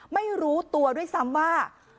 ไม่รู้ตัวด้วยซ้ำว่า